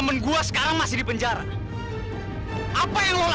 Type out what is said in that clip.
anak warior tuh mon